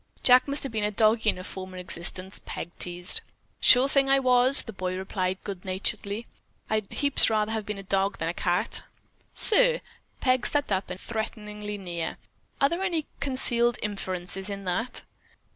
"Jack must have been a doggie in a former existence," Peg teased. "Sure thing I was!" the boy replied good naturedly. "I'd heaps rather have been a dog than a cat." "Sir!" Peg stepped up threateningly near. "Are there any concealed inferences in that?"